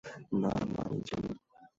না মানে জিমি।